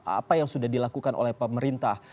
apa yang sudah dilakukan oleh pemerintah